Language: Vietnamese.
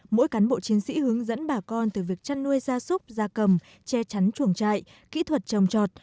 mỗi cán bộ chiến sĩ hướng dẫn bà con từ việc chăn nuôi gia súc gia cầm che chắn chuồng trại kỹ thuật trồng trọt